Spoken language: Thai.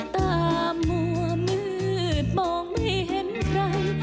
ตามมั่วมืดมองไม่เห็นใคร